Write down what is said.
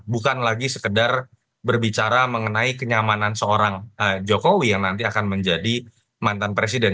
bukan lagi sekedar berbicara mengenai kenyamanan seorang jokowi yang nanti akan menjadi mantan presiden